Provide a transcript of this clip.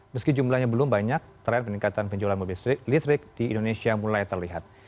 meski jumlahnya belum banyak tren peningkatan penjualan mobil listrik di indonesia mulai terlihat